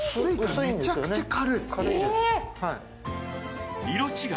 めちゃくちゃ軽い。